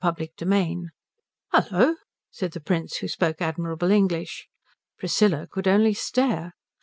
XXIII "Hullo," said the Prince, who spoke admirable English. Priscilla could only stare.